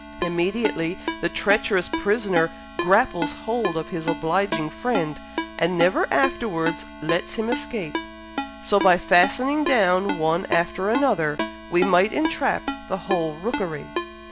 Immediately the treacherous prisoner grapples hold of his obliging friend, and never afterwards lets him escape; so, by fastening down one after another, we might entrap the whole rookery."